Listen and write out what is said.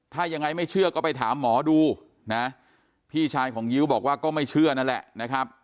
ถ้ายังไงไม่เชื่อก็ไปถามหมอดูนะพี่ชายของยิ้วบอกว่าก็ไม่เชื่อนั่นแหละนะครับ